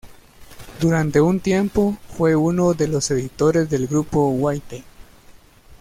Durante un tiempo fue uno de los editores del grupo Waite.